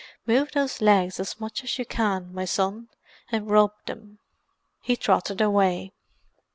"Move those legs as much as you can, my son, and rub them." He trotted away.